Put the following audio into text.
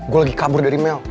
gue lagi kabur dari mel